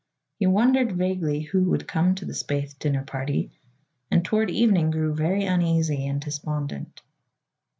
He wondered, vaguely, who would come to the Spaythe dinner party, and toward evening grew very uneasy and despondent.